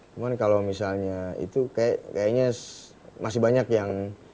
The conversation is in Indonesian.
cuman kalau misalnya itu kayaknya masih banyak yang